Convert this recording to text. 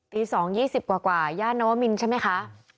ตี๒๒๐กว่าย่านนวมินใช่ไหมคะ